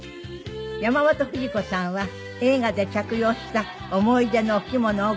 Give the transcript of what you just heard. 山本富士子さんは映画で着用した思い出のお着物をご披露。